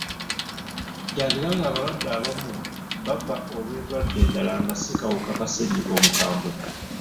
Kyandiba ng'abalwadde abamu bafa olw'endwadde endala nga si kawuka ka ssenyiga omukambwe.